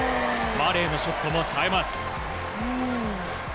マレーのショットもさえます。